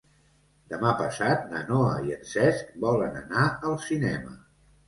Demà passat na Noa i en Cesc volen anar al cinema.